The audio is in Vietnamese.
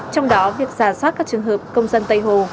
trong đó việc giả soát các trường hợp công dân tây hồ